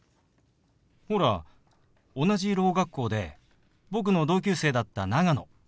ほら同じろう学校で僕の同級生だった長野。